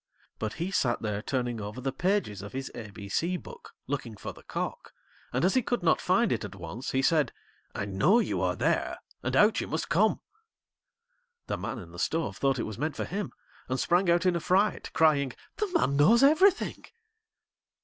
But he sat there turning over the pages of his ABC book looking for the cock, and as he could not find it at once, he said: 'I know you are there, and out you must come.' The man in the stove thought it was meant for him, and sprang out in a fright, crying: 'The man knows everything.'